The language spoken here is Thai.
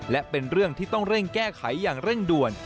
และเป็นเรื่องที่ต้องเร่งแก้ไขอย่างเร่งด่วน